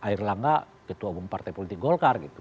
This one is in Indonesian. air langga ketua umum partai politik golkar gitu